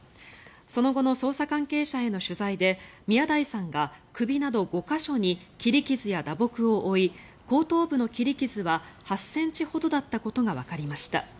その後の捜査関係者への取材で宮台さんが首など５か所に切り傷や打撲を負い後頭部の切り傷は８ｃｍほどだったことがわかりました。